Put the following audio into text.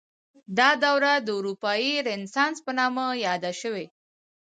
دا دوره د اروپايي رنسانس په نامه یاده شوې.